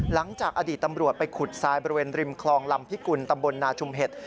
หลังจากอดีตตำรวจไปขุดทรายบริเวณริมคลองลำพิกุลตำบลนาชุมเห็ด